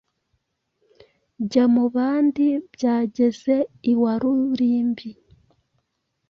Jya mu bandi, Byageze iwarurimbi